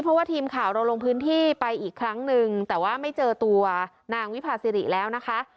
เพราะว่าทีมข่าวเราลงพื้นที่ไปอีกครั้งนึงแต่ว่าไม่เจอตัวนางวิพาสิริแล้วนะคะ